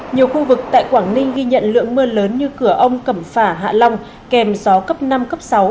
nhiều khu vực tại quảng ninh ghi nhận lượng mưa lớn như cửa ông cẩm phả hạ long kèm gió cấp năm cấp sáu